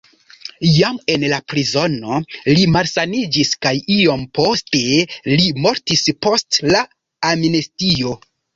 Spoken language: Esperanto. Jam en la prizono li malsaniĝis kaj iom poste li mortis post la amnestio.